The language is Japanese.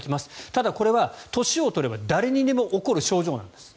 ただ、これは年を取れば誰にでも起こる症状なんです。